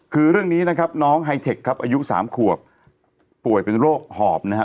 คือเรื่องนี้นะครับน้องไฮเทคครับอายุ๓ขวบป่วยเป็นโรคหอบนะฮะ